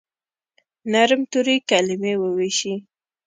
نرم توري، کلیمې وویشي